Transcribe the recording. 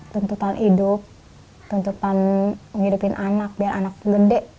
tuntutan hidup tuntutan menghidupin anak biar anak lebih gede